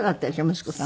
息子さん。